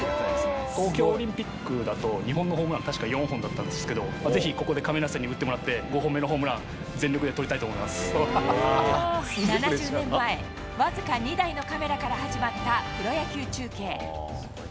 東京オリンピックだと日本のホームラン、確か４本だったんですけど、ぜひここで亀梨さんに打ってもらって、５本目のホームラン、７０年前、僅か２台のカメラから始まったプロ野球中継。